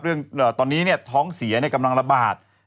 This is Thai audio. เรื่องตอนนี้ท้องเสียกำลังระบาด